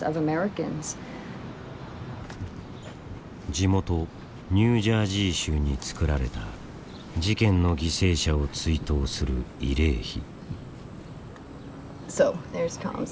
地元ニュージャージー州につくられた事件の犠牲者を追悼する慰霊碑。